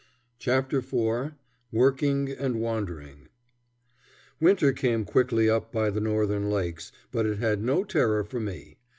CHAPTER IV WORKING AND WANDERING Winter came quickly up by the northern lakes, but it had no terror for me.